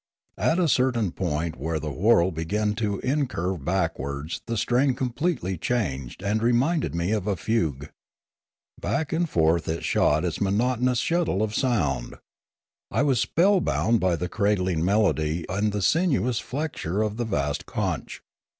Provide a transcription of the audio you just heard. At a certain point where the whorl began to incurve backwards the strain completely changed and reminded me of a fugue. Back and forth it shot its monotonous shuttle of sound. I was spell bound by the cradling melody and the sinuous flexure of the vast conch.